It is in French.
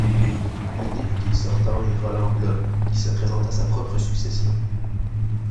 Le député sortant est Roland Blum qui se présente à sa propre succession.